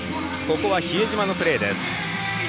ここは比江島のプレーです。